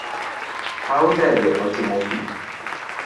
Pau ndege otimo pii